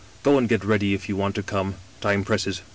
Go and get ready if you want to come. Time presses.'